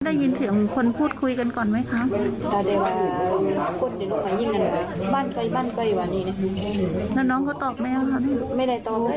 ไม่ได้ตอบใครแต่ว่าู้ยตึ้งเหรอ